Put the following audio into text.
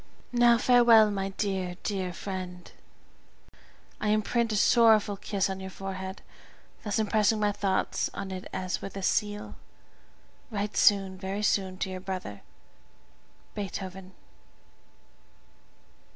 Now farewell, my dear, dear friend; I imprint a sorrowful kiss on your forehead, thus impressing my thoughts on it as with a seal. Write soon, very soon, to your brother, BEETHOVEN.